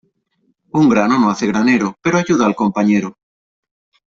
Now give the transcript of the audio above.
Un grano no hace granero, pero ayuda al compañero.